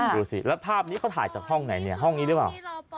ดูสิแล้วภาพนี้เขาถ่ายจากห้องไหนเนี่ยห้องนี้หรือเปล่า